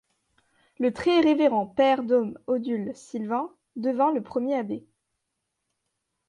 Le Très Révérend Père Dom Odule Sylvain devint le premier abbé.